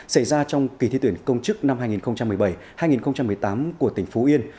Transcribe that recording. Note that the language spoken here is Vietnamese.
xảy ra trong kỳ thi tuyển công chức năm hai nghìn một mươi bảy hai nghìn một mươi tám của tỉnh phú yên